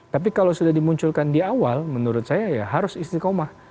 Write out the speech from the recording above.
tapi kalau sudah dimunculkan di awal menurut saya ya harus istiqomah